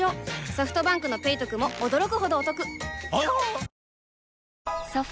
ソフトバンクの「ペイトク」も驚くほどおトクわぁ！